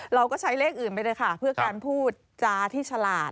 เราก็ใช้เลขอื่นไปเลยค่ะเพื่อการพูดจาที่ฉลาด